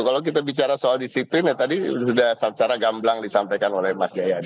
kalau kita bicara soal disiplin ya tadi sudah ya sudah ya kira kira gitu gitu kalau kita bicara soal disiplin ya tadi sudah ya sudah